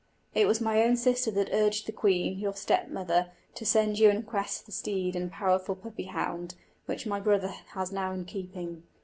It was my own sister that urged the queen, your stepmother, to send you in quest of the steed and powerful puppy hound, which my brother has now in keeping.